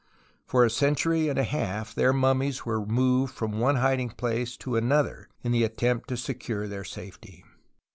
For a century and a half their mummies were moved from one hiding place to another in the attempt to secure their safety.